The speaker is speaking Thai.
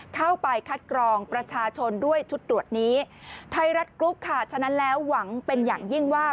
เข้าไปคัดกรองประชาชนด้วยชุดตรวจนี้ไทยรัฐกรุ๊ปค่ะฉะนั้นแล้วหวังเป็นอย่างยิ่งว่า